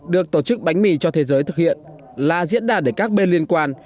được tổ chức bánh mì cho thế giới thực hiện là diễn đàn để các bên liên quan